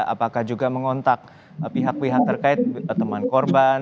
apakah juga mengontak pihak pihak terkait teman korban